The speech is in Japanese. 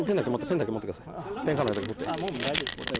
ペンだけ持ってください。